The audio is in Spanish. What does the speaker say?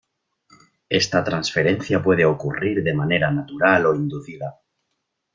Esta transferencia puede ocurrir de manera natural o inducida.